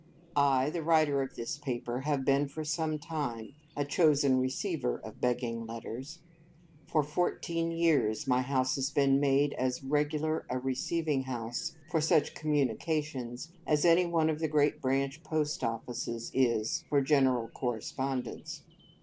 I, the writer of this paper, have been, for some time, a chosen receiver of Begging Letters. For fourteen years, my house has been made as regular a Receiving House for such communications as any one of the great branch Post Offices is for general correspondence.